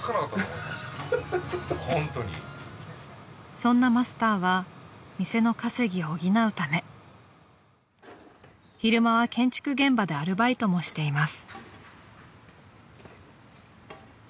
［そんなマスターは店の稼ぎを補うため昼間は建築現場でアルバイトもしています］